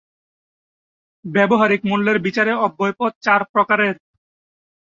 ব্যবহারিক মূল্যের বিচারে অব্যয় পদ চার প্রকারের।